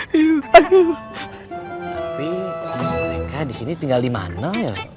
tapi mereka disini tinggal dimana ya bang ustadz